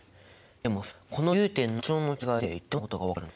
でもさこの融点の特徴の違いで一体どんなことが分かるの？